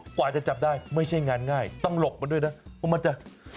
กว่าจะจับได้ไม่ใช่งานง่ายต้องหลบมันด้วยนะว่ามันจะ